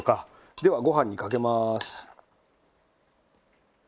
ではご飯にかけます。